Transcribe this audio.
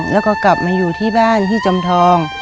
แล้วก็กลับมาอยู่ที่บ้านที่จอมทอง